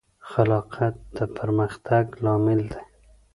خلاقیت د پرمختګ لامل دی.